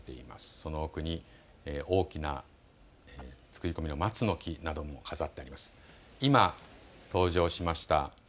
その奥に大きな作り込みの松の木なども飾ってあります。